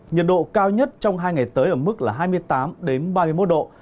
nhiệt độ cao nhất trong hai ngày tới ở mức là hai mươi tám ba mươi một độ